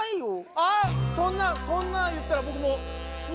あそんなんそんなん言ったら僕もうえっ？